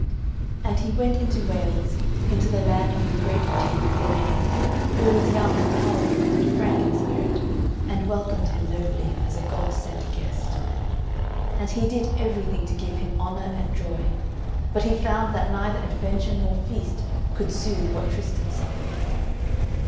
And he went into Wales, into the land of the great Duke Gilain, who was young, powerful, and frank in spirit, and welcomed him nobly as a God sent guest. And he did everything to give him honour and joy; but he found that neither adventure, nor feast could soothe what Tristan suffered.